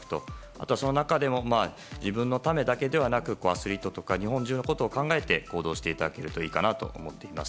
あとは、その中でも自分のためだけではなくてアスリートとか日本中の方のことを考えて行動してほしいと思います。